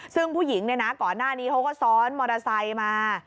ซึ่งผู้หญิงเนี่ยนะก่อนหน้านี้เขาก็ซ้อนมอเตอร์ไซค์มา